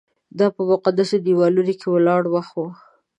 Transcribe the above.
دا په مقدسو دیوالونو کې ولاړ وخت و.